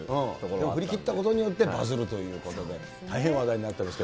でも振り切ったことによって、バズるということで、大変話題になってまして。